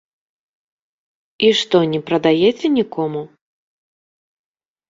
І што не прадаеце нікому?